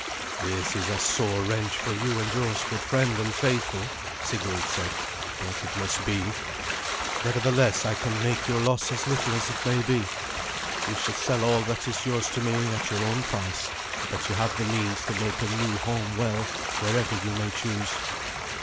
"This is a sore wrench for you and yours, good friend and faithful," Sigurd said, "but it must be. Nevertheless I can make your loss as little as it may be. You shall sell all that is yours to me at your own price, that you may have the means to make a new home well, wherever you may choose."